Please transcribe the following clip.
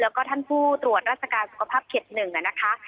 แล้วก็ท่านผู้ตรวจราชการสุขภาพเข็ด๑นะคะ